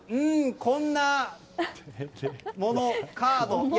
こんなもの、カード。